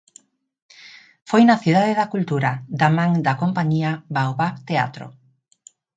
Foi na Cidade da Cultura, da man da compañía Baobab Teatro.